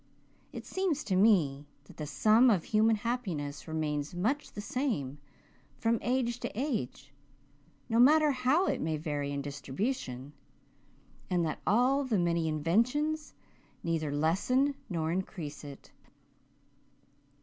It seems to me that the sum of human happiness remains much the same from age to age, no matter how it may vary in distribution, and that all the 'many inventions' neither lessen nor increase it."